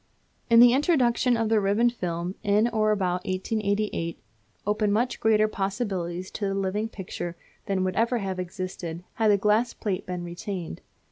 The introduction of the ribbon film in or about 1888 opened much greater possibilities to the living picture than would ever have existed had the glass plate been retained.